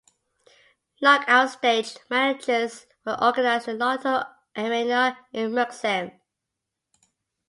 Knockout stage matches were organized in the Lotto Arena in Merksem.